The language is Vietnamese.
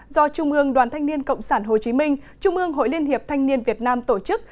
do trung ương đoàn thanh niên cộng sản hồ chí minh trung ương hội liên hiệp thanh niên việt nam tổ chức